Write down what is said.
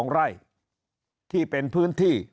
๒ไร่ที่เป็นพื้นที่